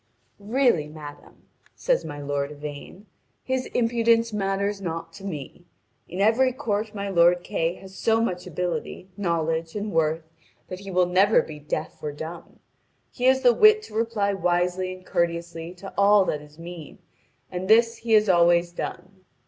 "Really, madame," says my lord Yvain, "his impudence matters not to me. In every court my lord Kay has so much ability, knowledge, and worth that he will never be deaf or dumb. He has the wit to reply wisely and courteously to all that is mean, and this he has always done.